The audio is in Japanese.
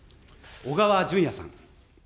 小川淳也さん。